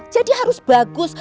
jadi harus bagus